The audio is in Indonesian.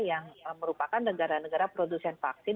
yang merupakan negara negara produsen vaksin